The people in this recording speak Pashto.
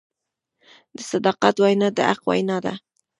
د صداقت وینا د حق وینا ده.